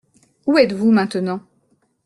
Où êtes-vous maintenant ?